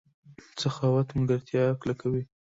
سخاوت ملګرتیا کلکوي.